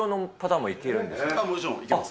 もちろん、いけます。